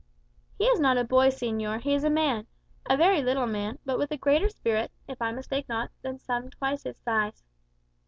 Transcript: "He is not a boy, señor, he is a man; a very little man, but with a greater spirit, if I mistake not, than some twice his size."